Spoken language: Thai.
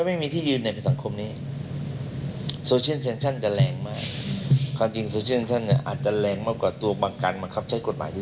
มันจะทำให้สังคมอยู่ไม่ได้